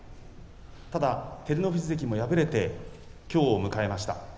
ただ、照ノ富士関も敗れてきょうを迎えました。